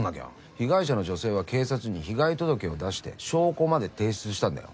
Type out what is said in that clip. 被害者の女性は警察に被害届を出して証拠まで提出したんだよ。